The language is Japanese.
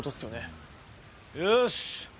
よし。